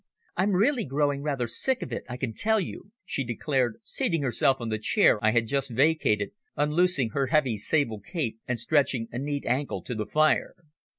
I'm really growing rather sick of it, I can tell you," she declared, seating herself in the chair I had just vacated, unloosing her heavy sable cape, and stretching a neat ankle to the fire.